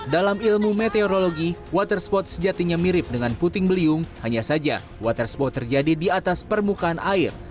dalam ilmu meteorologi waterspot sejatinya mirip dengan puting beliung hanya saja water spot terjadi di atas permukaan air